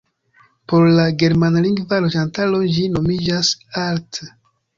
Por la germanlingva loĝantaro ĝi nomiĝas "Alt".